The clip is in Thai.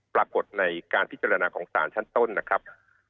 ปรากฏในการพิจารณาของสารชั้นต้นนะครับ